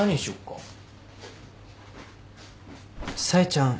冴ちゃん